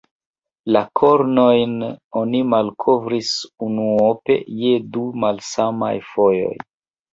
La kornojn oni malkovris unuope je du malsamaj fojoj.